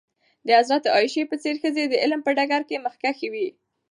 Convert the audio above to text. د حضرت عایشه په څېر ښځې د علم په ډګر کې مخکښې وې.